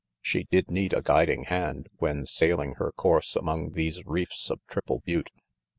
She did need a guiding hand when sailing her course among these reefs of Triple Butte.